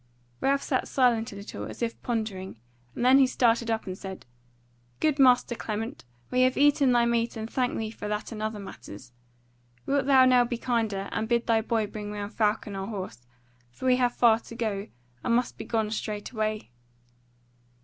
Ralph sat silent a little, as if pondering, and then he started up and said: "Good master Clement, we have eaten thy meat and thank thee for that and other matters. Wilt thou now be kinder, and bid thy boy bring round Falcon our horse; for we have far to go, and must begone straight away."